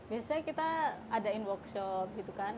biasanya kita adain workshop gitu kan